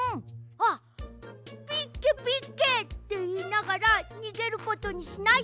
あっ「ピッケピッケ」っていいながらにげることにしない？